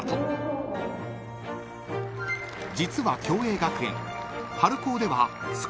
［実は共栄学園］